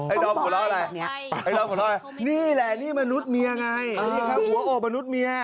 ไอ้ดอมหัวเล่าอะไรนี่แหละนี่มนุษย์เมียไงหัวโอบมนุษย์เมีย